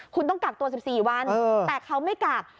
คุณต้องกักตัว๑๔วันแต่เขาไม่กัก